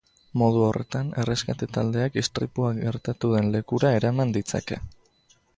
Modu horretan, erreskate-taldeak istripua gertatu den lekura eraman ditzake.